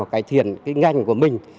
cải thiện cái ngành của mình